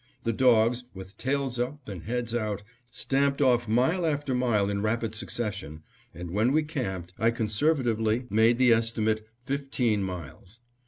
The dogs, with tails up and heads out, stamped off mile after mile in rapid succession, and when we camped I conservatively made the estimate fifteen miles.